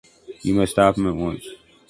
You must stop him at once!